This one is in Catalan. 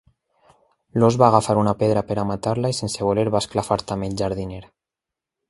L'ós va agafar una pedra per matar-la i sense voler va esclafar també el jardiner.